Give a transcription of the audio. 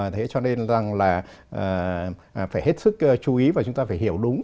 thế cho nên rằng là phải hết sức chú ý và chúng ta phải hiểu đúng